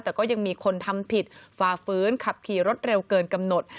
แต่ก็ยังมีคนทำผิดฝ่าฟื้นขับขี่รถเร็วเกินกำหนด